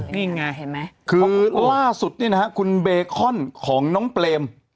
นี่ไงเห็นไหมคือล่าสุดนี่นะฮะคุณเบคอนของน้องเปรม